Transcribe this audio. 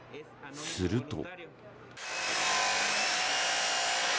すると。